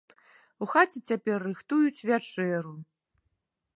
У хаце цяпер рыхтуюць вячэру.